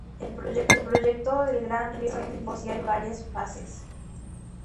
El proyecto del Gran Río Artificial posee varias fases.